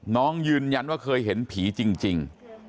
น้องยืนยันว่าเคยเห็นผีจริง